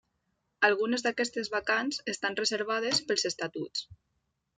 Algunes d'aquestes vacants estan reservades pels estatuts.